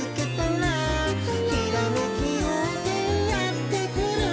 「ひらめきようせいやってくる」